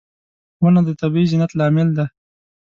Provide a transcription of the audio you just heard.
• ونه د طبیعي زینت لامل دی.